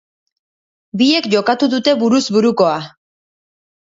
Biek jokatu dute buruz burukoa.